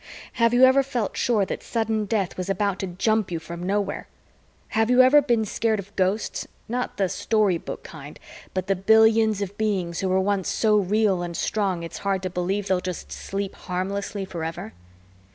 Have you ever felt sure that sudden death was about to jump you from nowhere? Have you ever been scared of Ghosts not the story book kind, but the billions of beings who were once so real and strong it's hard to believe they'll just sleep harmlessly forever?